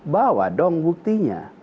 bawa dong buktinya